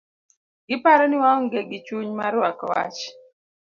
Giparo ni waonge gi chuny marwako wach.